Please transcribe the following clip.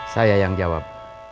saya yang jawab